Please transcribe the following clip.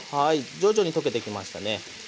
徐々に溶けてきましたね。